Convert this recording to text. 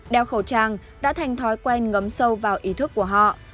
đeo khẩu trang đã thành thói quen ngấm sâu vào ý thức của họ